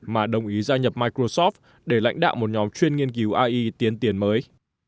mà đồng ý gia nhập microsoft để lãnh đạo một nhóm chuyên nghiên cứu ai tiến tiền mới